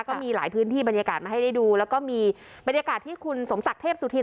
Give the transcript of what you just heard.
ก็มีหลายพื้นที่บรรยากาศมาให้ได้ดูแล้วก็มีบรรยากาศที่คุณสมศักดิ์เทพสุธิน